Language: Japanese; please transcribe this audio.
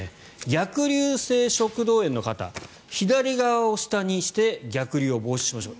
逆流性食道炎の方左側を下にして逆流を防止しましょう。